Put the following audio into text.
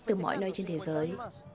từ mọi nơi trên thế giới